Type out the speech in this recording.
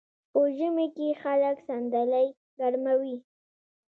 په ژمي کې خلک صندلۍ ګرموي.